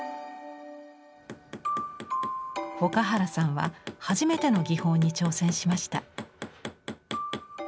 岡原さんは初めての技法に挑戦しました。